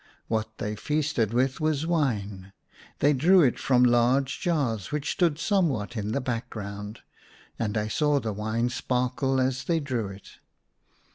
What they feasted with was wine ; they drew it from large jars which stood somewhat in the background, and I saw the wine sparkle as they drew it.